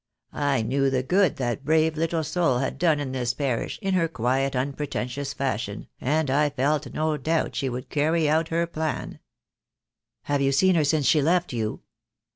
I knew the good that brave little soul had done in this parish, in her quiet, unpretentious fashion, and I felt no doubt she would carry out her plan." "Have you seen her since she left you?"